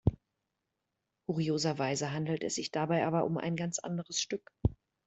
Kurioserweise handelt es sich dabei aber um ein ganz anderes Stück.